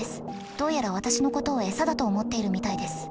どうやら私のことを餌だと思っているみたいです。